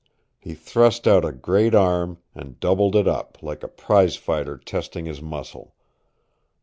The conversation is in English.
He thrust out a great arm and doubled it up, like a prizefighter testing his muscle.